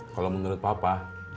kalo menurut papa